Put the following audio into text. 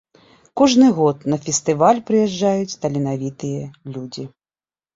Кожны год на фестываль прыязджаюць таленавітыя людзі.